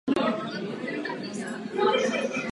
K těmto zásadám se knihovna hlásí i dnes.